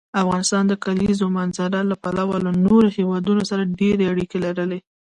افغانستان د کلیزو منظره له پلوه له نورو هېوادونو سره ډېرې اړیکې لري.